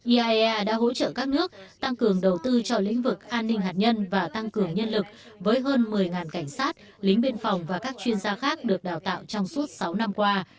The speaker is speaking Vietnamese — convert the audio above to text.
iaea đã hỗ trợ các nước tăng cường đầu tư cho lĩnh vực an ninh hạt nhân và tăng cường nhân lực với hơn một mươi cảnh sát lính biên phòng và các chuyên gia khác được đào tạo trong suốt sáu năm qua